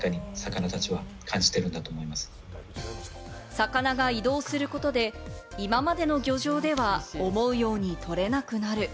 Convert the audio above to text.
魚が移動することで、今までの漁場では思うようにとれなくなる。